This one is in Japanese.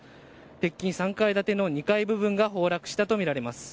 鉄筋３階建ての２階部分が崩落したとみられます。